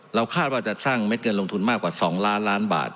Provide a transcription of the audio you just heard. คาดว่าจะสร้างเม็ดเงินลงทุนมากกว่า๒ล้านล้านบาท